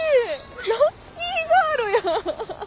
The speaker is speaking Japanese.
ラッキーガールやん！